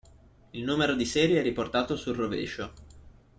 Il numero di serie è riportato sul rovescio.